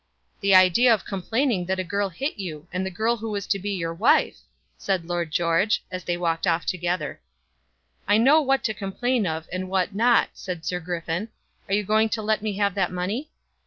"The idea of complaining that a girl hit you, and the girl who is to be your wife!" said Lord George, as they walked off together. "I know what to complain of, and what not," said Sir Griffin. "Are you going to let me have that money?"